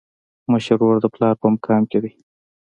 مشر ورور د پلار په مقام کي دی.